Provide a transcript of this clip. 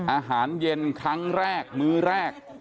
อาหารเย็นครั้งแรกมื้อแรก